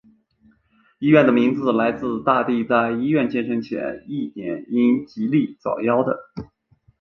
医院的名字来自大帝在医院建成前一年因痢疾早夭的。